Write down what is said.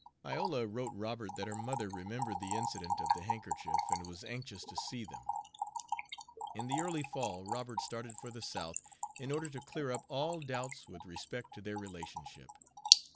Iola wrote Robert that her mother remembered the incident of the handkerchief, and was anxious to see them. In the early fall Robert started for the South in order to clear up all doubts with respect to their relationship.